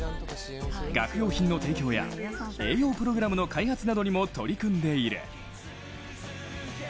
学用品の提供や栄養プログラムの開発にも取り組んでいる。